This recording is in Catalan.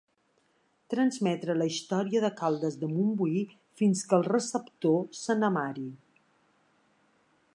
Transmetre la història de Caldes de Montbui fins que el receptor se n'amari.